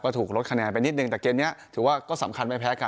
ถูกลดคะแนนไปนิดนึงแต่เกมนี้ถือว่าก็สำคัญไม่แพ้กัน